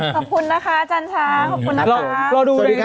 ขอบคุณนะคะอาจารย์ช้างขอบคุณนะคะ